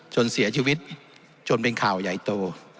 จนเสียชีวิตจนเป็นข่าวใหญ่โต